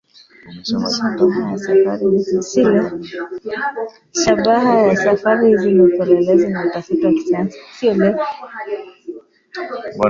Shabaha ya safari hizi ni upelelezi na utafiti wa kisayansi.